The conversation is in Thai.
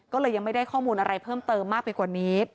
ก็เลยยังไม่ได้ข้อมูลอะไรเพิ่มเติมมากไปกว่านี้